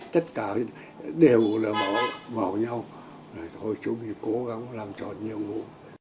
tất cả đều là bảo nhau rồi thôi chúng mình cố gắng làm tròn nhiều vụ